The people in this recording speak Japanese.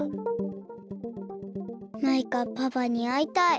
マイカパパにあいたい。